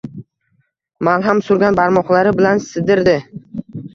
malham surgan barmoqlari bilan sidirdi.